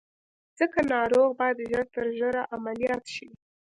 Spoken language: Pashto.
ځکه ناروغ بايد ژر تر ژره عمليات شي.